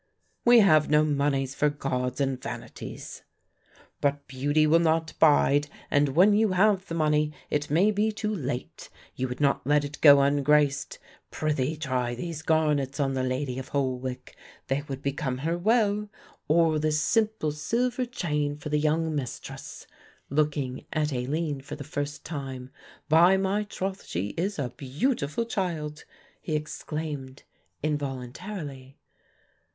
"We have no moneys for gauds and vanities." "But beauty will not bide, and when you have the money it may be too late; you would not let it go ungraced. Prithee try these garnets on the Lady of Holwick. They would become her well, or this simple silver chain for the young mistress," looking at Aline for the first time. "By my troth she is a beautiful child," he exclaimed involuntarily.